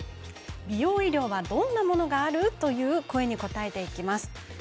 美容医療はどんなものがある？という声に応えていきます。